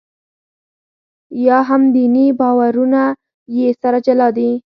یا هم دیني باورونه یې سره جلا دي.